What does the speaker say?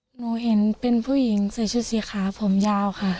หนูเห็นเป็นผู้หญิงใส่ชุดสีขาวผมยาวค่ะ